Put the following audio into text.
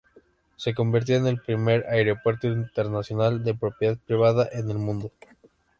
Se convirtió en el primer aeropuerto internacional de propiedad privada en el mundo.